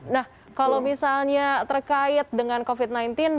nah kalau misalnya terkait dengan covid sembilan belas